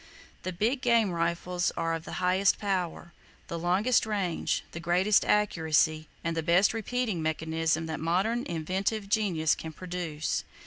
The big game rifles are of the highest power, the longest range, the greatest accuracy and the best repeating mechanism that modern inventive genius can produce.